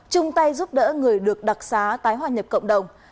trung tay giúp đỡ người được đặc xá tái hoa nhập cộng đồng